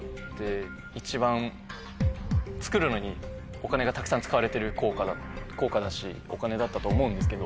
お金がたくさん使われてる硬貨だしお金だったと思うんですけど。